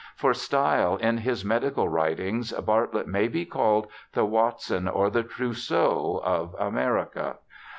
For style in his medical writings Bartlett may be called the Watson or the Trousseau of America.